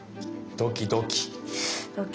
ドキドキ。